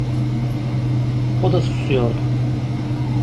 O da susuyordu.